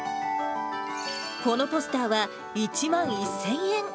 このポスターは１万１０００円。